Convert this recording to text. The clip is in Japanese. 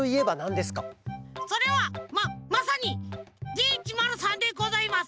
それはままさにＤ１０３でございます。